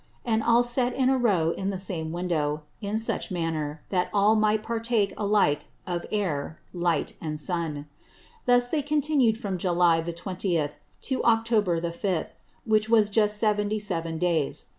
_ and all set in a Row in the same Window, in such manner that all might partake alike of Air, Light, and Sun. Thus they continued from July the Twentieth, to October the Fifth, which was just Seventy Seven Days.